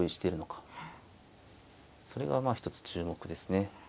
それがまあ一つ注目ですね。